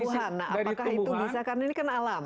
untuk tumbuhan nah apakah itu bisa karena ini kan alam